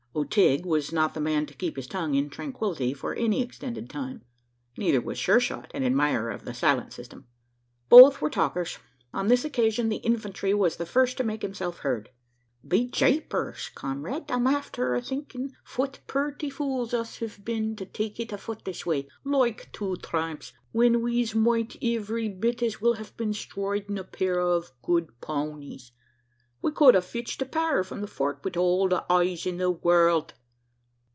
O'Tigg was not the man to keep his tongue in tranquillity for any extended time. Neither was Sure shot an admirer of the silent system. Both were talkers. On this occasion, the "infantry" was the first to make himself heard. "Be japers! comrayde, I'm afther thinkin' fwhat purty fools us hiv bin, to tak it afut this way, loike two thramps, whin wez moight ivery bit as wil hav been stroidin' a pair ov good pownies. We cowld a fitched a pair from the Fort wid all the aize in the wurld."